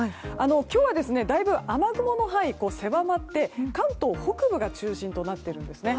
今日はだいぶ雨雲の範囲が狭まって関東北部が中心となっているんですね。